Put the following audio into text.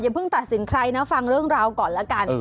เพิ่งตัดสินใครนะฟังเรื่องราวก่อนแล้วกัน